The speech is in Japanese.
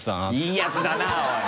いいやつだなおい！